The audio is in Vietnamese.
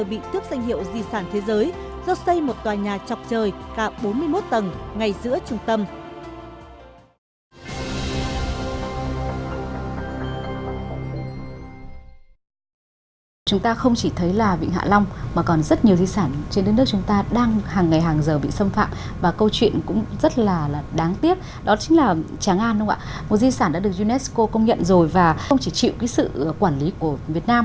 bị thức danh hiệu di sản thế giới do xây một tòa nhà chọc trời cả bốn mươi một tầng ngay giữa trung tâm